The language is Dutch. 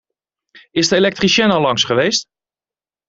Is de elektricien al lang geweest?